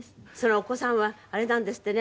お子さんはあれなんですってね